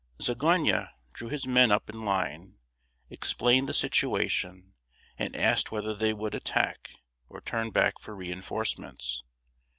Zagonyi drew his men up in line, explained the situation, and asked whether they would attack or turn back for re enforcements.